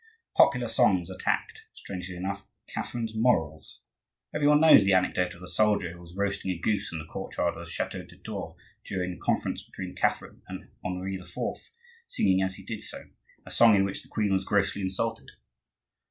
Popular songs attacked, strangely enough, Catherine's morals. Every one knows the anecdote of the soldier who was roasting a goose in the courtyard of the chateau de Tours during the conference between Catherine and Henri IV., singing, as he did so, a song in which the queen was grossly insulted.